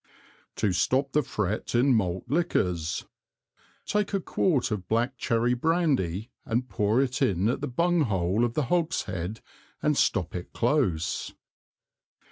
To stop the Fret in Malt Liquors. Take a Quart of Black Cherry Brandy, and pour it in at the Bung hole of the Hogshead and stop it close.